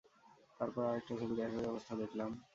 তারপর আরেকটা ছবিতে একই অবস্থা দেখলাম।